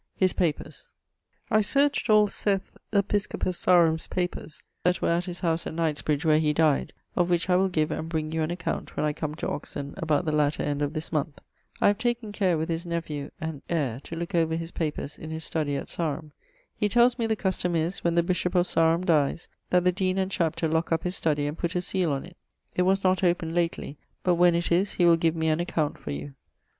<_His papers._> I searcht all Seth, episcopus Sarum's, papers that were at his house at Knightsbridge where he dyed: of which I will give and bring you an account when I come to Oxon about the latter end of this moneth. I have taken care with his nephew and heir to looke over his papers in his study at Sarum. He tells me the custome is, when the bishop of Sarum dies, that 'the deane and chapter lock up his studie and put a seale on it.' It was not opened lately, but when it is he will give me an account for you.